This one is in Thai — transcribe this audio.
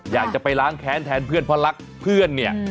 อยากจะไปล้างแค้นแทนเพื่อนเพราะรักเพื่อนเนี่ย